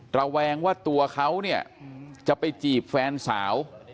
ระแวงว่าตัวเขาเนี่ยจะไปจีบแฟนสาว